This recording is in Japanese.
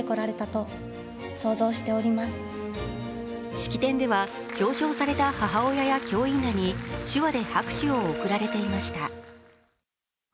式典では、表彰された母親や教員らに手話で拍手を送られていました。